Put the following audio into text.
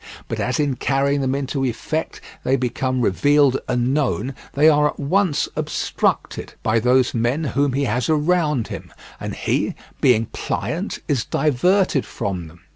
But as in carrying them into effect they become revealed and known, they are at once obstructed by those men whom he has around him, and he, being pliant, is diverted from them.